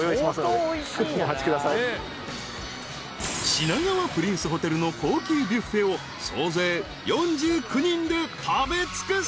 ［品川プリンスホテルの高級ビュッフェを総勢４９人で食べ尽くす］